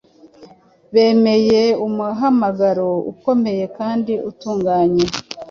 Bemeye umuhamagaro ukomeye kandi utunganye.